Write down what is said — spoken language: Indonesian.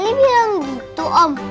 kenapa dia bilang gitu om